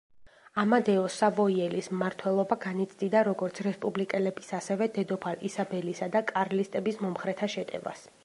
ამადეო სავოიელის მმართველობა განიცდიდა როგორც რესპუბლიკელების, ასევე დედოფალ ისაბელისა და კარლისტების მომხრეთა შეტევას.